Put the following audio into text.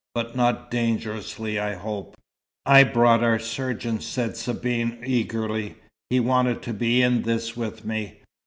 But not dangerously, I hope." "I brought our surgeon," said Sabine, eagerly. "He wanted to be in this with me.